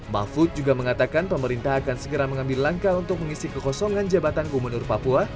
mahfud juga mengatakan pemerintah akan segera mengambil langkah untuk mengisi kekosongan jabatan gubernur papua